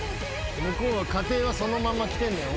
向こうは家庭はそのままきてんねん。